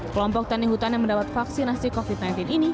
kelompok tani hutan yang mendapat vaksinasi covid sembilan belas ini